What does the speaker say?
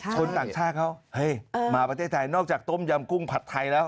ต่างชาติเขาเฮ้ยมาประเทศไทยนอกจากต้มยำกุ้งผัดไทยแล้ว